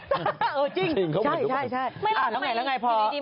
เออจริงเขาเหมือนทุกคนใช่ใช่